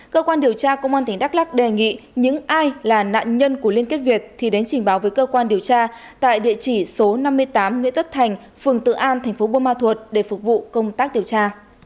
cơ quan điều tra công an tỉnh đắk lắc đề nghị những ai là nạn nhân của liên kết việt thì đến trình báo với cơ quan điều tra tại địa chỉ số năm mươi tám nguyễn tất thành phường tự an thành phố buôn ma thuột để phục vụ công tác điều tra